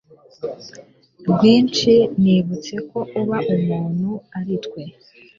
rwinshi, nibutse ko uba umuntu ari twe